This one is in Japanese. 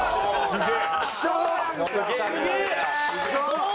すげえ！